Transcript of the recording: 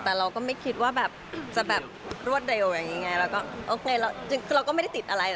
แต่เราก็ไม่คิดว่ารวดแดงก็ไม่ได้ติดอะไร